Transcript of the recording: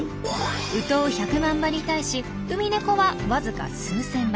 ウトウ１００万羽に対しウミネコはわずか数千羽。